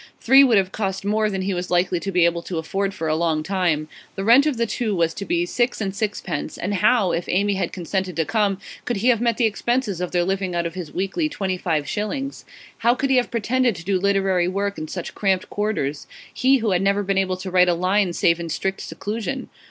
Three would have cost more than he was likely to be able to afford for a long time. The rent of the two was to be six and sixpence; and how, if Amy had consented to come, could he have met the expenses of their living out of his weekly twenty five shillings? How could he have pretended to do literary work in such cramped quarters, he who had never been able to write a line save in strict seclusion?